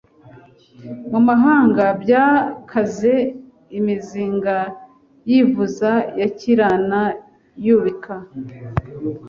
Mu mahanga byakaze Imizinga yivuza Yakirana yubika,